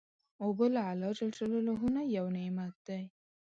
اوبه له الله نه یو نعمت دی.